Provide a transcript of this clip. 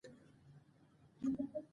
شيخ امين الله په پيښور کي ډير لوي عالم دی